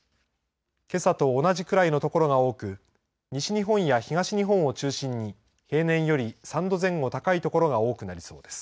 けさと同じくらいの所が多く西日本や東日本を中心に平年より３度前後高い所が多くなりそうです。